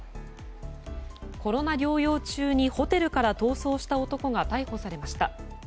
コロナ療養中にホテルから逃走した男が逮捕されました。